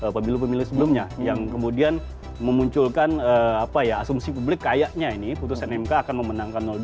pemilih pemilih sebelumnya yang kemudian memunculkan asumsi publik kayaknya ini putusan mk akan memenangkan dua